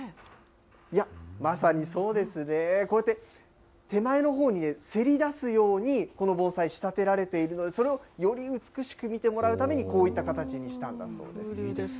まさにそうですね、こうやって、手前のほうにせり出すように、この盆栽、仕立てられているので、それをより美しく見てもらうためにこういった形にしたんだそうで風流です。